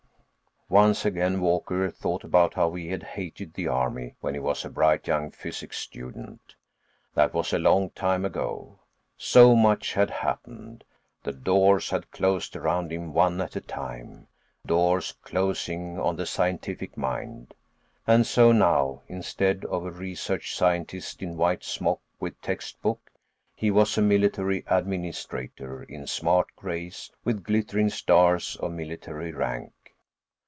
Once again Walker thought about how he had hated the army when he was a bright young physics student. That was a long time ago—So much had happened. The doors had closed around him, one at a time, doors closing on the scientific mind. And so now, instead of a research scientist in white smock with textbook, he was a military administrator in smart greys with glittering stars of military rank.